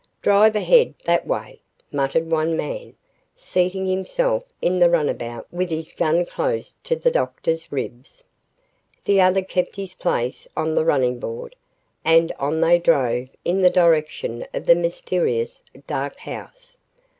"Drive ahead that way!" muttered one man, seating himself in the runabout with his gun close to the doctor's ribs. The other kept his place on the running board, and on they drove in the direction of the mysterious, dark house.